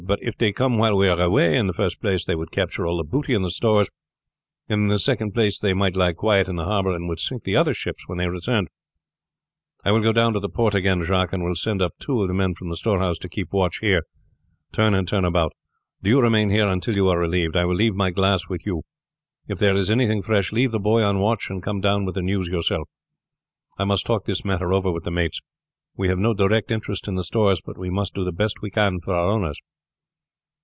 "But if they come while we are away, in the first place they would capture all the booty in the stores, and in the second place they might lie quiet in the harbor and would sink the other ships when they returned. I will go down to the port again, Jacques, and will send up two of the men from the storehouse to keep watch here, turn and turn about. Do you remain here until you are relieved. I will leave my glass with you. If there is anything fresh, leave the boy on watch and come down with the news yourself. I must talk this matter over with the mates. We have no direct interest in the stores, but we must do the best we can for our owners."